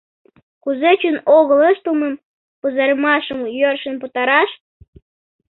Кузе чын огыл ыштылмым, пызырымашым йӧршын пытараш?